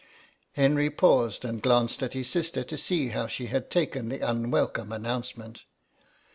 Henry paused and glanced at his sister to see how she had taken the unwelcome announcement.